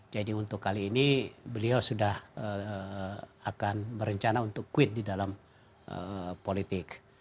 jadi untuk kali ini beliau sudah akan berencana untuk quit di dalam politik